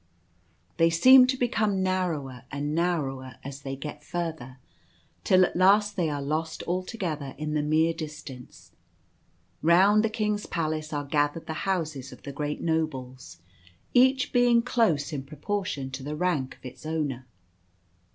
They seem to become narrower and narrower as they get further, till at last they are lost altogether in the mere distance. Round the King's palace are gathered the houses of the great nobles, each being close in proportion to the rank of its owner.